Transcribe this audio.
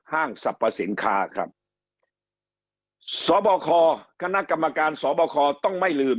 ห้างสรรพสินค้าครับสบคคณะกรรมการสอบคอต้องไม่ลืม